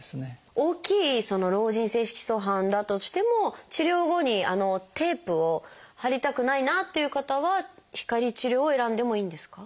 大きいその老人性色素斑だとしても治療後にテープを貼りたくないなっていう方は光治療を選んでもいいんですか？